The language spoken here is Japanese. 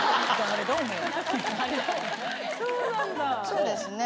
そうですね。